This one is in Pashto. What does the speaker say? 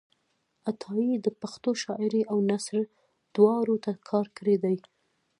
عطایي د پښتو شاعرۍ او نثر دواړو ته کار کړی دی.